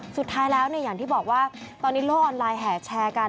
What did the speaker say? สุดท้ายแล้วอย่างที่บอกว่าตอนนี้โลกออนไลน์แห่แชร์กัน